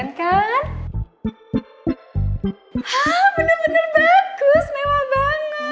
hah bener bener bagus mewah banget